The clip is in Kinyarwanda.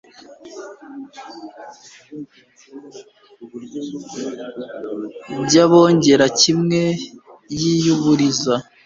by'Abongera kimwe n'iy'u Buliza.